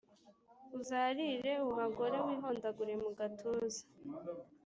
Uzarire uhogore, wihondagure mu gatuza,